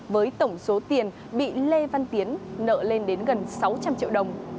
với tổng số tiền bị lê văn tiến nợ lên đến gần sáu trăm linh triệu đồng